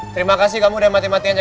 terima kasih kamu udah mati mati aja